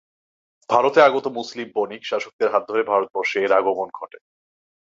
ভারতে আগত মুসলিম বণিক, শাসকদের হাত ধরে ভারতবর্ষে এর আগমন ঘটে।